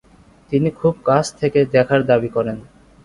তিনি খুব কাছ থেকে দেখার দাবি করেন।